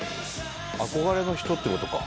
憧れの人って事か。